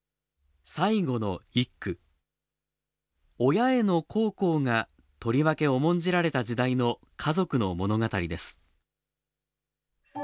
親への孝行がとりわけ重んじられた時代の家族の物語です。